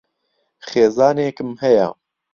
خێزانێکم ھەیە.